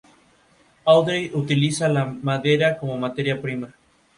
Tuvo una destacada actuación en la Gesta Libertaria Bolivariana.